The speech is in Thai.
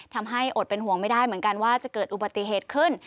อดเป็นห่วงไม่ได้เหมือนกันว่าจะเกิดอุบัติเหตุขึ้น